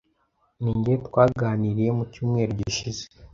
Ninjye twaganiriye mu cyumweru gishize.